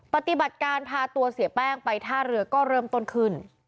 ปฏิบัติการพาตัวเสียแป้งไปท่าเรือก็เริ่มต้นขึ้น